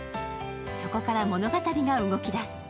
そこから物語が動き出す。